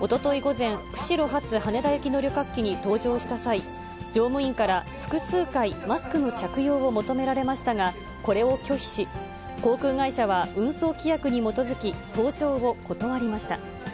おととい午前、釧路発羽田行きの旅客機に搭乗した際、乗務員から複数回、マスクの着用を求められましたが、これを拒否し、航空会社は運送規約にに基づき、搭乗を断りました。